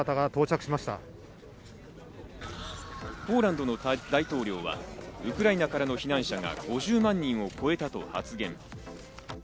ポーランドの大統領はウクライナからの避難者が５０万人を超えたと発言。